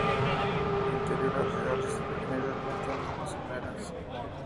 Interior de arrecife, generalmente en aguas someras.